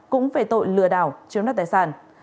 cũng về tội lừa đảo chiếm đặt tài sản